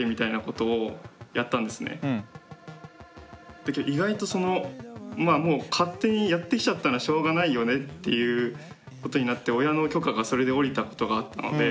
だけど意外とそのまあもう勝手にやってきちゃったのはしょうがないよねっていうことになって親の許可がそれで下りたことがあったので。